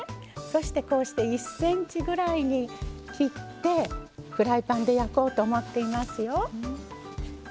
そしてこうして１センチぐらいに切ってフライパンで焼こうと思っていますよ。